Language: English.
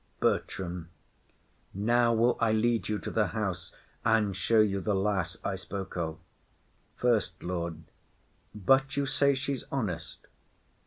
_] BERTRAM. Now will I lead you to the house, and show you The lass I spoke of. SECOND LORD. But you say she's honest.